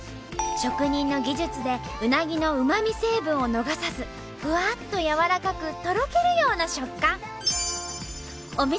職人の技術でうなぎのうまみ成分を逃さずフワッとやわらかくとろけるような食感！